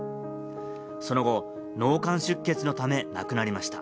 その後、脳幹出血のため亡くなりました。